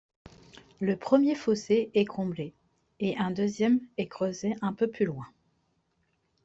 Le premier fossé est comblé et un deuxième est creusé un peu plus loin.